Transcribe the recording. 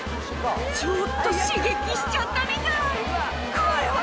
ちょっと刺激しちゃったみたい。